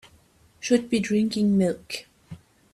Should be drinking milk.